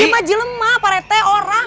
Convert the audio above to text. iya pak jelen pak reten orang